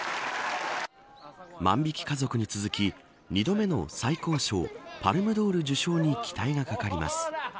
万引き家族に続き２度目の最高賞パルムドール受賞に期待が懸かります。